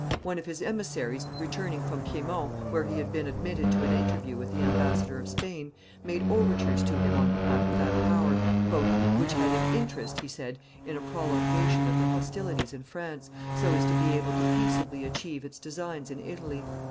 One of his emissaries, returning from Piedmont, where he had been admitted to an interview with the ambassador of Spain, made overtures to him on behalf of that power "which had an interest, he said, in a prolongation of the hostilities in France, so as to be able to peaceably achieve its designs in Italy.